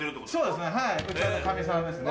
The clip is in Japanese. うちのかみさんですね。